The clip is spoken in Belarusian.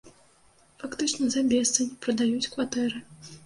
Фактычна за бесцань прадаюць кватэры.